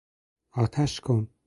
آتش کن!